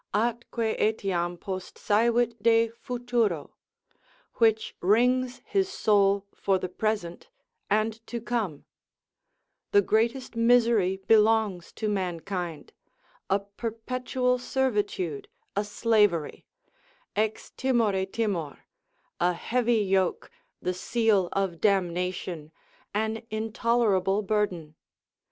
atque etiam post saevit de futuro, which wrings his soul for the present, and to come: the greatest misery belongs to mankind, a perpetual servitude, a slavery, Ex timore timor, a heavy yoke, the seal of damnation, an intolerable burden.